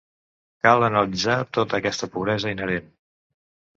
Cal analitzar tota aquesta pobresa inherent.